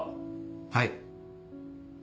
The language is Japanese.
はい。